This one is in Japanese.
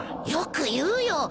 よく言うよ。